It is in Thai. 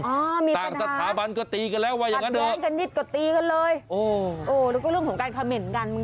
อ่ามีปัญหาขัดแย้งกันนิดก็ตีกันเลยโอ้แล้วก็เรื่องของการคอมเมนต์กัน